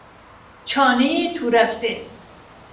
چانهی تورفته